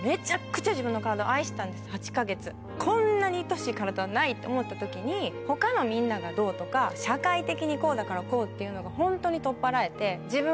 ８か月。って思った時に他のみんながどうとか社会的にこうだからこうっていうのがホントに取っ払えて。